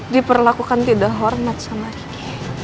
diperlakukan tidak hormat sama kiai